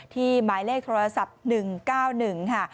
หมายเลขโทรศัพท์๑๙๑ค่ะ